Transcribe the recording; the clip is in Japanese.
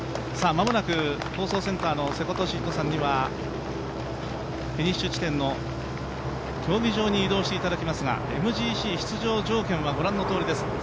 間もなく、放送センターの瀬古利彦さんにはフィニッシュ地点の競技場に移動してもらいますがＭＧＣ出場条件はご覧のとおりです。